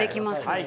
はい。